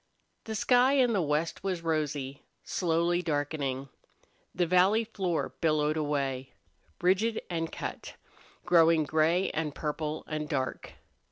The sky in the west was rosy, slowly darkening. The valley floor billowed away, ridged and cut, growing gray and purple and dark.